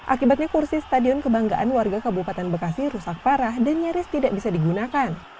akibatnya kursi stadion kebanggaan warga kabupaten bekasi rusak parah dan nyaris tidak bisa digunakan